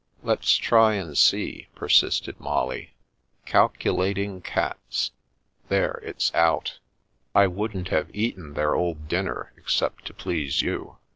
"Let's try, and see," persisted Molly. "Calcu lating Cats ! There, it's out. I wouldn't have eaten their old dinner, except to please you.